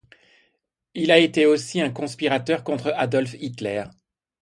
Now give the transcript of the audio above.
Il a été aussi un conspirateur contre Adolf Hitler.